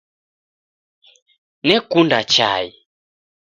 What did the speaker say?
Nekunda chai